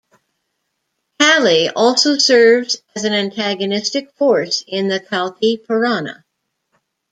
Kali also serves as an antagonistic force in the Kalki Purana.